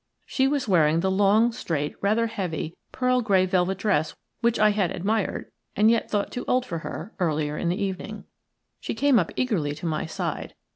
She was wearing the long, straight, rather heavy, pearl grey velvet dress which I had admired, and yet thought too old for her, earlier in the evening. She came up eagerly to my side.